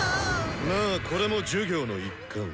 まあこれも授業の一環。